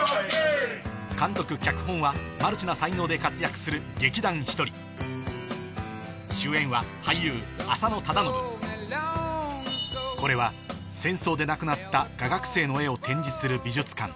監督・脚本はマルチな才能で活躍する劇団ひとりこれは戦争で亡くなった画学生の絵を展示する美術館